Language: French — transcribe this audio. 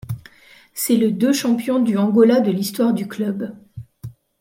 C'est le de champion du Angola de l'histoire du club.